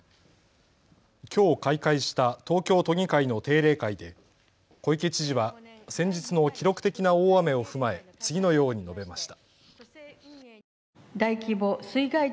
きょう開会した東京都議会の定例会で小池知事は先日の記録的な大雨を踏まえ次のように述べました。